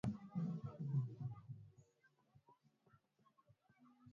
Tohara hizi ni kawaida kufanywa na mtekelezaji ambaye mara nyingi si Mmasai